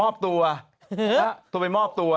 มอบตัวโทรไปมอบตัว